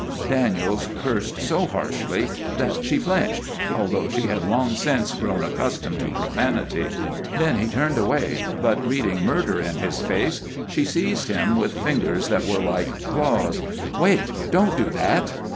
Daniels cursed so harshly that she flinched, although she had long since grown accustomed to profanity. Then he turned away, but, reading murder in his face, she seized him with fingers that were like claws. "Wait! Don't do that!"